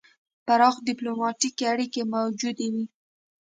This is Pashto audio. پراخې ډیپلوماتیکې اړیکې موجودې وې.